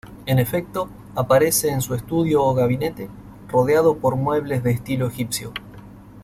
En efecto, aparece en su estudio o gabinete, rodeado por muebles de estilo egipcio.